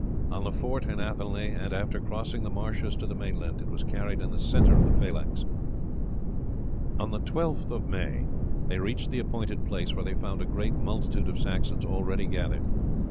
On the fort in Athelney, and after crossing the marshes to the mainland it was carried in the centre of the phalanx. On the 12th they reached the appointed place, where they found a great multitude of Saxons already gathered.